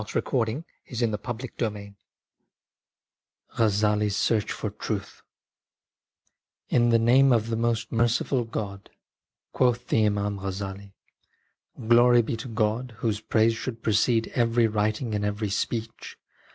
F. THE CONFESSIONS OF AL GHAZZALI Ghazzali's Search for Truth " In the name of the most merciful God." Quoth the Imam Ghazzali : Glory be to God, Whose praise should precede every writing and every speech